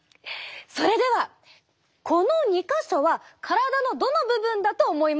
それではこの２か所は体のどの部分だと思いますか？